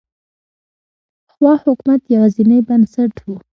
پخوا حکومت یوازینی بنسټ و.